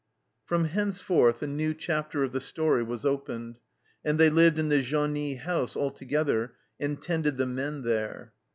From henceforth a new chapter of the story was opened, and they lived in the genie house altogether and tended the men there.